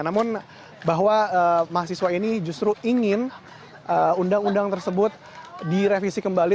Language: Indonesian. namun bahwa mahasiswa ini justru ingin undang undang tersebut direvisi kembali